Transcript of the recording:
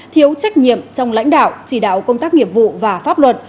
thiếu trách nhiệm trong lãnh đạo chỉ đạo công tác nghiệp vụ và pháp luật